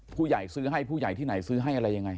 ซื้อให้ผู้ใหญ่ที่ไหนซื้อให้อะไรยังไง